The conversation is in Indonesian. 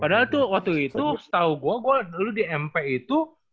padahal tuh waktu itu setahu gue gue dulu di mp itu